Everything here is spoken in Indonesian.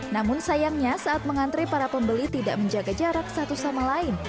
namun sayangnya saat mengantre para pembeli tidak menjaga jarak satu sama lain